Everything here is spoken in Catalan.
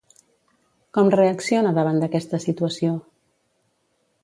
Com reacciona davant d'aquesta situació?